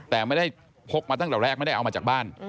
แต่ไม่ได้พกมาตั้งแต่แรกไม่ได้เอามาจากบ้าน